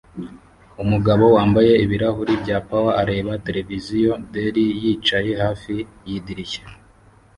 Umugabo wambaye ibirahuri bya Power areba televiziyo DELL yicaye hafi yidirishya